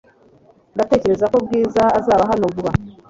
Ndatekereza ko Bwiza azaba hano vuba .